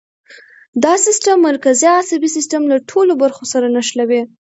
دا سیستم مرکزي عصبي سیستم له ټولو برخو سره نښلوي.